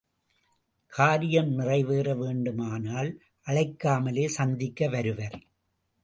காரியம் நிறைவேற வேண்டுமானால் அழைக்காமலே சந்திக்க வருவர்.